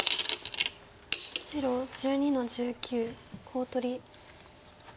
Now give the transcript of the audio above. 白１２の十九コウ取り。